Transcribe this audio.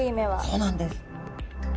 そうなんです。